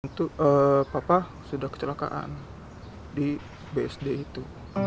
untuk sudah kecelakaan di bsd itu